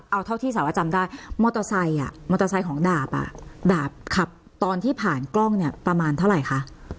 เอาเท่าที่สาวจำได้มอเตอร์ไซค์มอเตอร์ไซค์ของดาบอ่ะดาบขับตอนที่ผ่านกล้องเนี่ยประมาณเท่าไหร่คะ